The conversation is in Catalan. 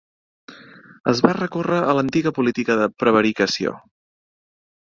Es va recórrer a l'antiga política de prevaricació.